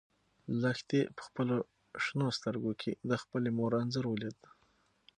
لښتې په خپلو شنه سترګو کې د خپلې مور انځور ولید.